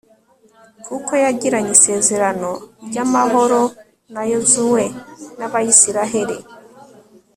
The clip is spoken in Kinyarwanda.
kuko yagiranye isezerano ry'amahoro na yozuwe n'abayisraheli